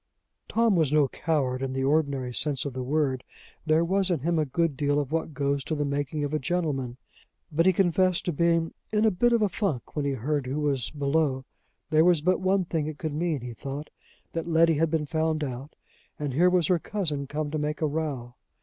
Tom was no coward, in the ordinary sense of the word: there was in him a good deal of what goes to the making of a gentleman; but he confessed to being "in a bit of a funk" when he heard who was below: there was but one thing it could mean, he thought that Letty had been found out, and here was her cousin come to make a row.